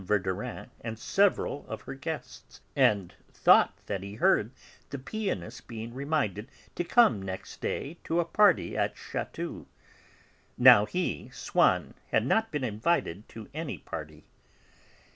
Verdurin and several of her guests, and thought that he heard the pianist being reminded to come next day to a party at Chatou; now he, Swann, had not been invited to any party.